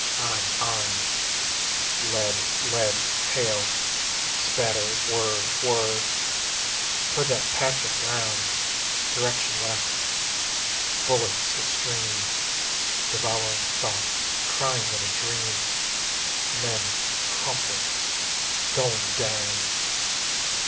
On, on. Le[)a]d. Le[)a]d. Hail. Spatter. Whirr! Whirr! "Toward that patch of brown; Direction left." Bullets a stream. Devouring thought crying in a dream. Men, crumpled, going down....